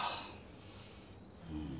うん。